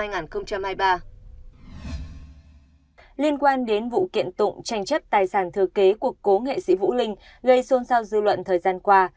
liên quan đến vụ kiện tụng tranh chấp tài sản thừa kế của cố nghệ sĩ vũ linh gây xôn xao dư luận thời gian qua